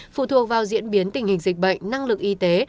phụ thuộc vào diễn biến tình hình dịch bệnh năng lực y tế